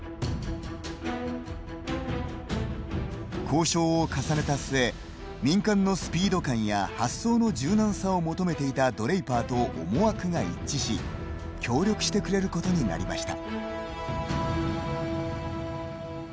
交渉を重ねた末民間のスピード感や発想の柔軟さを求めていたドレイパーと思惑が一致し協力してくれることになりました。